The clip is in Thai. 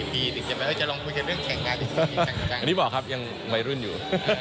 นี่บอกครับยังทรายรุ่นอยู่